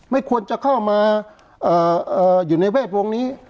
ไม่ควรจะเข้ามาอยู่ในเวทวงนี้